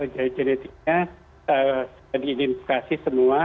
jadi genetiknya sudah diidentifikasi semua